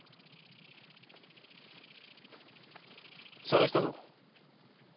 捜したぞ。